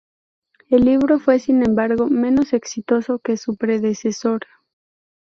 El libro fue, sin embargo, menos exitoso que su predecesor.